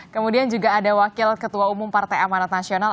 kemudian juga ada wakil ketua umum partai amanat nasional